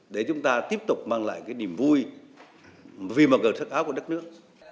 để chúng ta tiếp tục mang lại cái niềm vui vì mặc cờ sắc áo của đất nước